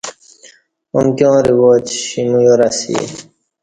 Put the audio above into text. امکیاں رواج ایمو یار اسی